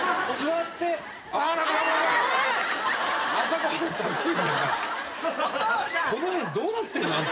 この辺どうなってんの？あんた。